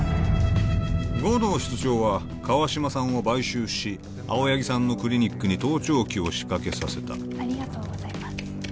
護道室長は川島さんを買収し青柳さんのクリニックに盗聴器を仕掛けさせたありがとうございます